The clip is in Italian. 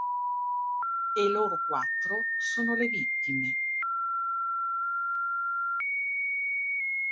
E loro quattro sono le vittime.